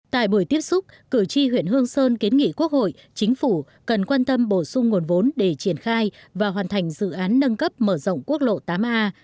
tại buổi tiếp xúc cử tri huyện hương sơn kiến nghị quốc hội chính phủ cần quan tâm bổ sung nguồn vốn để triển khai và hoàn thành dự án nâng cấp mở rộng quốc lộ tám a